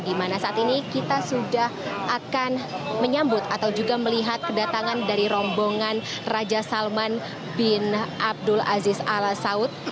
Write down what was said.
di mana saat ini kita sudah akan menyambut atau juga melihat kedatangan dari rombongan raja salman bin abdul aziz al saud